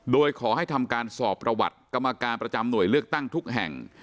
โดยขอให้ทำการสอบประวัติกรรมการประจำหน่วยเลือกตั้งทุกแห่ง